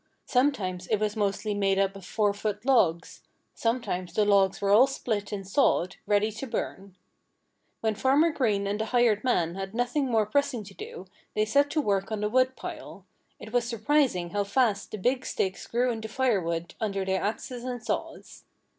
Sometimes it was mostly made up of four foot logs. Sometimes the logs were all split and sawed, ready to burn. When Farmer Green and the hired man had nothing more pressing to do they set to work on the woodpile. It was surprising how fast the big sticks grew into firewood under their axes and saws.